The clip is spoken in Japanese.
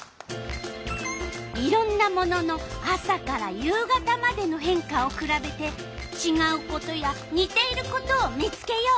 いろんなものの朝から夕方までの変化をくらべてちがうことやにていることを見つけよう。